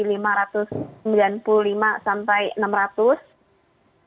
lalu yang kedua ada jasa marga target kami di rp tiga lima ratus